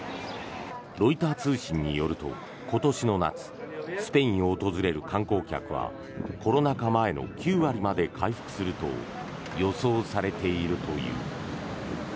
ロイター通信によると今年の夏スペインを訪れる観光客はコロナ禍前の９割まで回復すると予想されているという。